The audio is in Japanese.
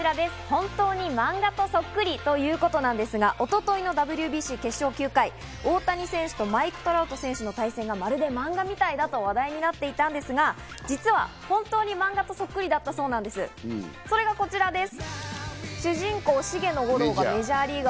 本当に漫画とそっくり！ということなんですが、一昨日のＷＢＣ、決勝９回、大谷選手とマイク・トラウト選手の対決がまるで漫画みたいだと話題になっていたんですが本当に漫画とそっくりだったそうです、それがこちらです。